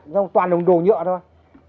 nó toàn đồ nhựa thôi